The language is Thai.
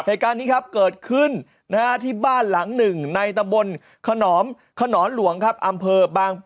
เหตุการณ์นี้ครับเกิดขึ้นนะฮะที่บ้านหลังหนึ่งในตะบน